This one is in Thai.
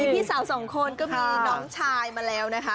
พี่สาวสองคนก็มีน้องชายมาแล้วนะคะ